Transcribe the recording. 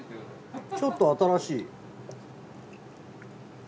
ちょっと新しい。